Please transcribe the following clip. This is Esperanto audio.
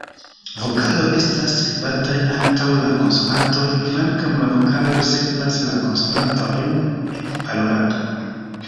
Vokaloj estas skribataj antaŭ la konsonantoj, kvankam la vokaloj sekvas la konsonantojn en parolado.